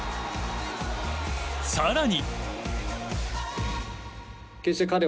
更に。